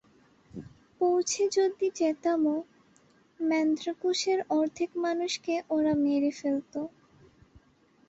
পৌঁছে যদি যেতামও, ম্যান্দ্রাকোসের অর্ধেক মানুষকে ওরা মেরে ফেলত!